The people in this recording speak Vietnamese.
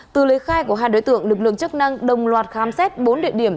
từ lấy khai của hai đối tượng lực lượng chức năng đồng loạt khám xét bốn địa điểm